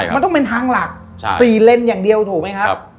มันต้องเป็นทางหลัก๔เลนส์อย่างเดียวถูกไหมครับ